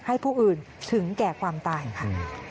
ผู้อื่นถึงแก่ความตายค่ะ